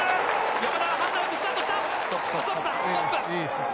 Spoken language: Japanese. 山田はスタートした。